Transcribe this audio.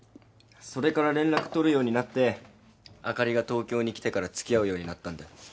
それから連絡取るようになってあかりが東京に来てから付き合うようになったんだよ。